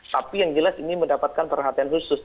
tapi yang jelas ini mendapatkan perhatian khusus